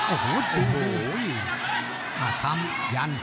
โอ้โหอาคัมยัน